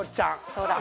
そうだ。